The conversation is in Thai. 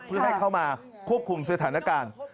เพื่อให้เข้ามาควบคุมสถานการณ์